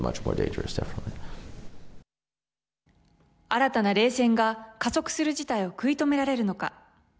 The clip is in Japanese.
新たな冷戦が加速する事態を食い止められるのか。